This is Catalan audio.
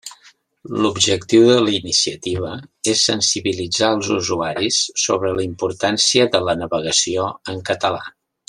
L'objectiu de la iniciativa és sensibilitzar els usuaris sobre la importància de la navegació en català.